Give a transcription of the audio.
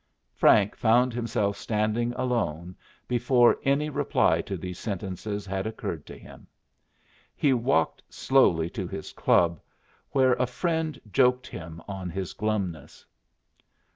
Frank found himself standing alone before any reply to these sentences had occurred to him. He walked slowly to his club, where a friend joked him on his glumness.